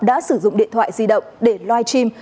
đã sử dụng điện thoại di động để live stream